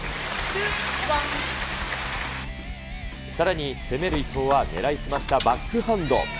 さらに攻める伊藤は、狙いすましたバックハンド。